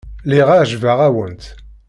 Lliɣ ɛejbeɣ-awent.